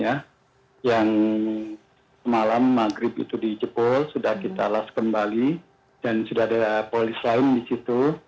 ya yang semalam maghrib itu dijekul sudah kita las kembali dan sudah ada polis lain di situ